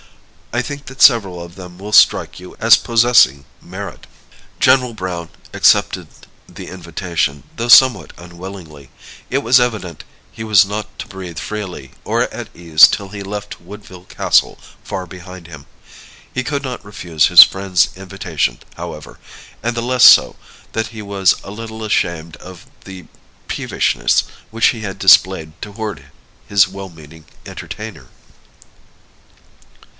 I think that several of them will strike you as possessing merit." General Browne accepted the invitation, though somewhat unwillingly. It was evident he was not to breathe freely or at ease till he left Woodville Castle far behind him. He could not refuse his friend's invitation, however; and the less so, that he was a little ashamed of the peevishness which he had displayed toward his well meaning entertainer.